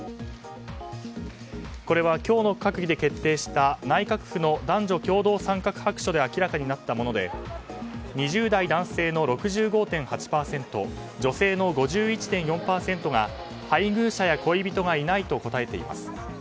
これは今日の閣議で決定した内閣府の男女共同参画白書で明らかになったもので２０代男性の６５．８％女性の５１．４％が配偶者や恋人がいないと答えています。